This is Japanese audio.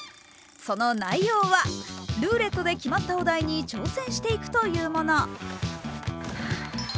その内容は、ルーレットで決まったお題に挑戦していくというもの。